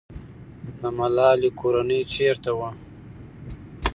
د ملالۍ کورنۍ چېرته وه؟